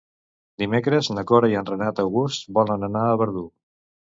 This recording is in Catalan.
Dimecres na Cora i en Renat August volen anar a Verdú.